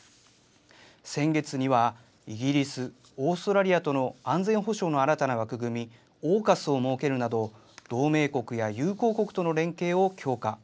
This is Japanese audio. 先月にはイギリス、オーストラリアとの安全保障の新たな枠組み、ＡＵＫＵＳを設けるなど、同盟国や友好国との連携を強化。